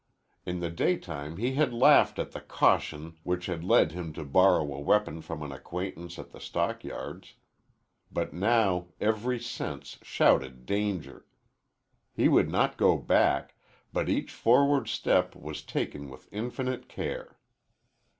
In the daytime he had laughed at the caution which had led him to borrow a weapon from an acquaintance at the stockyards. But now every sense shouted danger. He would not go back, but each forward step was taken with infinite care.